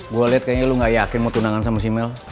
gue liat kayaknya lu gak yakin mau tunangan sama simeles